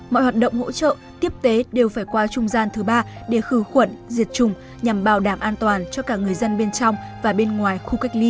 mọi hoạt động hỗ trợ tiếp tế đều phải qua trung gian thứ ba để khử khuẩn diệt trùng nhằm bảo đảm an toàn cho cả người dân bên trong và bên ngoài khu cách ly